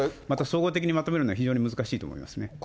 また総合的にまとめるのは、非常に難しいと思いますね。